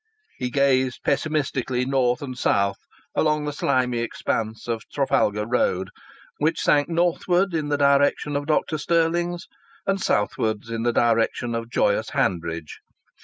He gazed pessimistically north and south along the slimy expanse of Trafalgar Road, which sank northwards in the direction of Dr. Stirling's, and southwards in the direction of joyous Hanbridge.